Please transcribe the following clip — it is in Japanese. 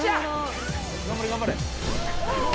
「頑張れ頑張れ！」